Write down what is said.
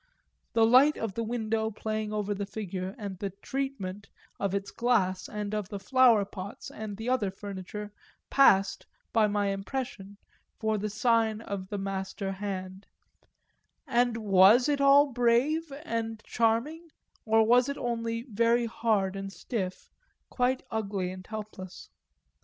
The light of the window playing over the figure and the "treatment" of its glass and of the flower pots and the other furniture, passed, by my impression, for the sign of the master hand; and was it all brave and charming, or was it only very hard and stiff, quite ugly and helpless?